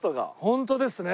本当ですね。